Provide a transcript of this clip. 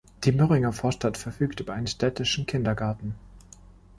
Die Möhringer Vorstadt verfügt über einen städtischen Kindergarten.